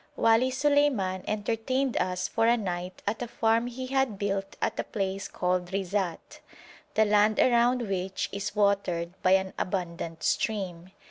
Wali Suleiman entertained us for a night at a farm he had built at a place called Rizat, the land around which is watered by an abundant stream.